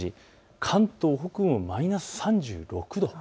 関東北部もマイナス３６度。